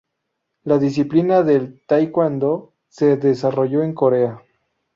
La disciplina del taekwondo se desarrolló en Corea.